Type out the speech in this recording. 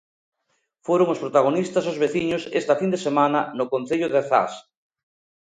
Foron os protagonistas os veciños esta fin de semana no concello de Zas.